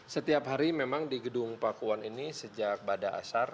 setiap hari memang di gedung pakuan ini sejak pada asar